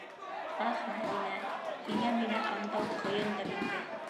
Ах, Мәҙинә, һиңә мине аңдау ҡыйындыр инде...